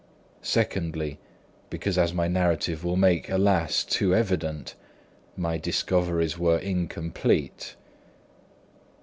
Second, because, as my narrative will make, alas! too evident, my discoveries were incomplete.